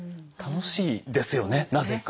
楽しいですよねなぜか。